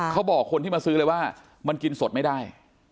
เขาบอกคนที่มาซื้อเลยว่ามันกินสดไม่ได้